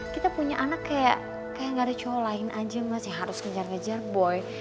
kita punya anak kayak gak ada cowok lain aja mas yang harus ngejar ngejar boy